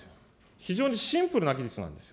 非常にシンプルな技術なんです。